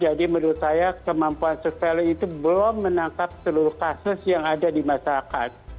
jadi menurut saya kemampuan surveillance itu belum menangkap seluruh kasus yang ada di masyarakat